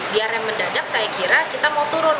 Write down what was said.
biar yang mendadak saya kira kita mau turun